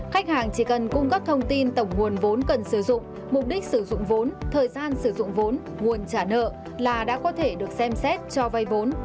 khách hàng chỉ cần cung cấp thông tin tổng nguồn vốn cần sử dụng mục đích sử dụng vốn thời gian sử dụng vốn nguồn trả nợ là đã có thể được xem xét cho vay vốn